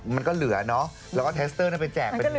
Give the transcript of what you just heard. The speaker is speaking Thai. มันก็เหลือนะแล้วก็เทสเตอร์นั้นไปแจก